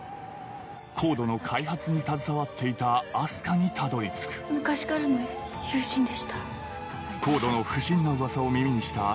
ＣＯＤＥの開発に携わっていた明日香にたどり着く「昔からの友人でした」